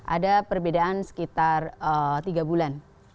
ada perbedaan sekitar tiga bulan